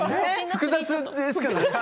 複雑ですけれどもね。